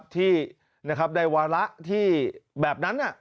ที่ในวาระแบบนั้นน่ะ